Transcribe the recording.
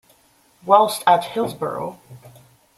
Whilst at Hillsborough.